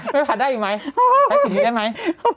ไม่ผัดได้ยังไหม